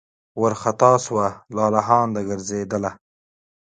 وارخطا سوه لالهانده ګرځېدله